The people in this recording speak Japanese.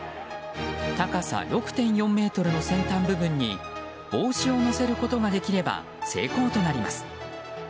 高さ６．４ｍの先端部分に帽子を乗せることができれば成功となります。